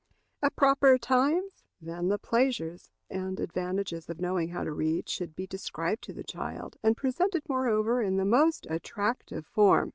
At proper times, then, the pleasures and advantages of knowing how to read should be described to the child, and presented moreover in the most attractive form.